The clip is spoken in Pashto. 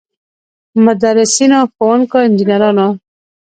مدرسینو، ښوونکو، انجنیرانو.